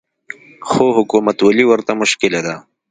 خو حکومتولي ورته مشکله ده